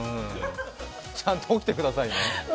ちゃんと起きてくださいね。